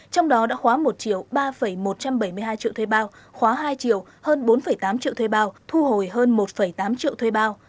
trong đó đã khóa một triệu ba một trăm bảy mươi hai triệu thuê bao khóa hai triệu hơn bốn tám triệu thuê bao thu hồi hơn một tám triệu thuê bao